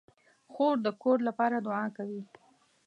خور د کور لپاره دعا کوي.